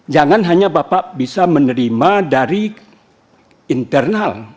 jangan hanya bapak bisa menerima dari internal